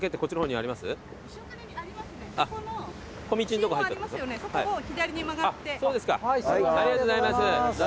ありがとうございます。